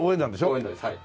応援団ですはい。